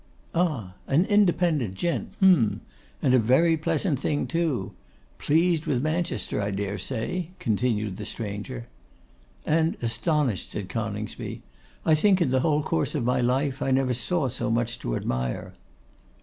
'Ah! an independent gent; hem! and a very pleasant thing, too. Pleased with Manchester, I dare say?' continued the stranger. 'And astonished,' said Coningsby; 'I think, in the whole course of my life, I never saw so much to admire.